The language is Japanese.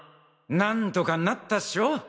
何とかなったっしょ？